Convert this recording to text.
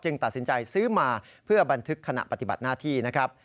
ตัดสินใจซื้อมาเพื่อบันทึกขณะปฏิบัติหน้าที่นะครับ